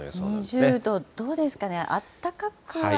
２０度、どうですかね、あったかくは？